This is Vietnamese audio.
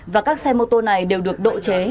và các xe mô tô này đều được độ chế